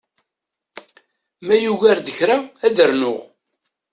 Ma yugar-d kra, ad rnuɣ.